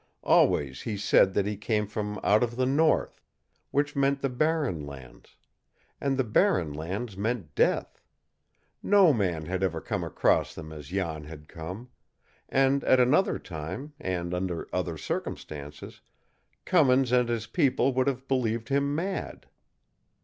Always he said that he came from out of the north which meant the Barren Lands; and the Barren Lands meant death. No man had ever come across them as Jan had come; and at another time, and under other circumstances, Cummins and his people would have believed him mad.